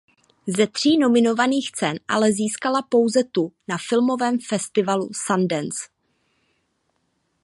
Ze tří nominovaných cen ale získala pouze tu na filmovém festivalu Sundance.